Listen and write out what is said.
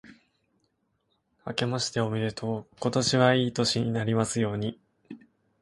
あけましておめでとう。今年はいい年になりますように。